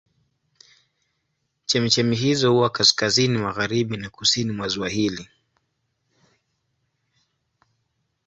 Chemchemi hizo huwa kaskazini magharibi na kusini mwa ziwa hili.